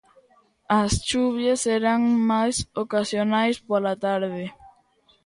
As chuvias serán máis ocasionais pola tarde.